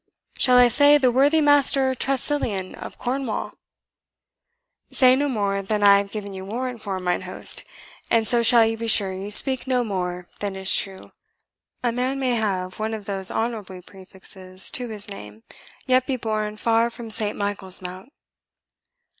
Shall I say the worthy Master Tressilian of Cornwall?" "Say no more than I have given you warrant for, mine host, and so shall you be sure you speak no more than is true. A man may have one of those honourable prefixes to his name, yet be born far from Saint Michael's Mount."